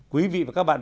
quý vị và các bạn